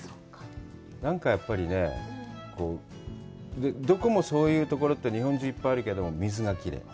なんかやっぱりね、どこもそういうところって日本中いっぱいあるけども、水がきれい。